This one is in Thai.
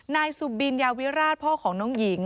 นายสุบินยาวิราชพ่อของน้องหญิง